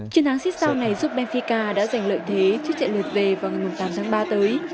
chiến thắng xích sau này giúp benfica đã giành lợi thế trước trận lượt về vào ngày tám tháng ba tới